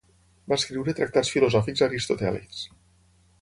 Va escriure tractats filosòfics aristotèlics.